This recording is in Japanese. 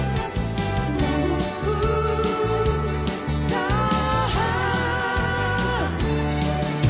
「．．．さあ」